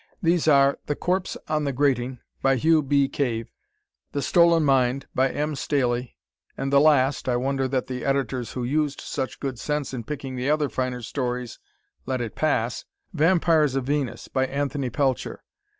These are: "The Corpse on the Grating," by Hugh B. Cave; "The Stolen Mind," by M. Staley, and the last (I wonder that the editors who used such good sense in picking the other finer stories, let it pass), "Vampires of Venus," by Anthony Pelcher.